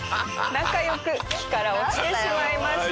仲良く木から落ちてしまいました。